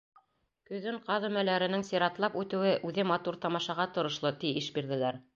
Көҙөн ҡаҙ өмәләренең сиратлап үтеүе үҙе матур тамашаға торошло, ти ишбирҙеләр.